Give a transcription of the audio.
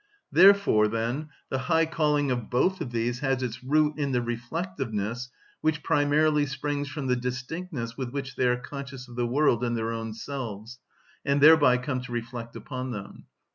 Therefore, then, the high calling of both of these has its root in the reflectiveness which primarily springs from the distinctness with which they are conscious of the world and their own selves, and thereby come to reflect upon them.